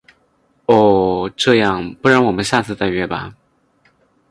哦……这样，不然我们下次再约吧。